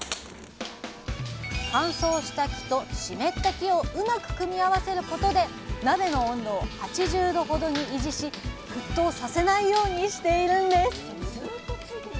乾燥した木と湿った木をうまく組み合わせることで鍋の温度を８０℃ほどに維持し沸騰させないようにしているんです。